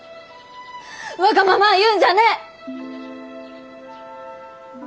わがままあ言うんじゃねえ！